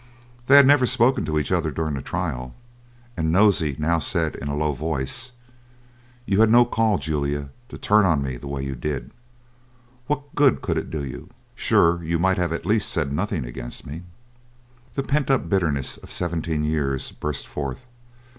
They had never spoken to each other during the trial, and Nosey now said in a low voice: "You had no call, Julia, to turn on me the way you did. What good could it do you? Sure you might at least have said nothing against me." The pent up bitterness of seventeen years burst forth.